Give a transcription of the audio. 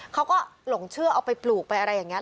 เขาก็หลงเชื่อเอาไปปลูกไปอะไรอย่างนี้